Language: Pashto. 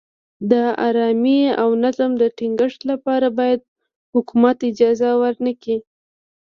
د ارامۍ او نظم د ټینګښت لپاره باید حکومت اجازه ورنه کړي.